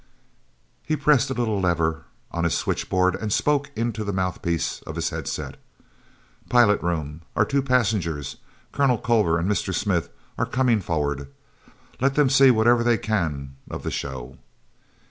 He pressed a little lever on his switchboard and spoke into the mouthpiece of his head set. "Pilot room? Our two passengers, Colonel Culver and Mr. Smith, are coming forward. Let them see whatever they can of the show."